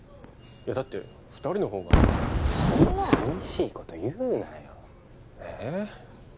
いやだって二人のほうがそんな寂しいこと言うなよえ？